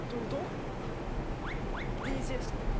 ＤＪしてくれる。